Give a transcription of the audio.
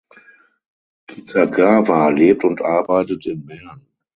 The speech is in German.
Kitagawa lebt und arbeitet in Bern.